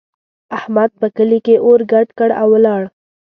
احمد په کلي کې اور ګډ کړ او ولاړ.